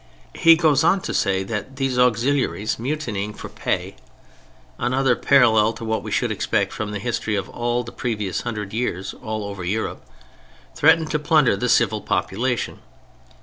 He goes on to say that these auxiliaries mutinying for pay (another parallel to what we should expect from the history of all the previous hundred years all over Europe), threatened to plunder the civil population.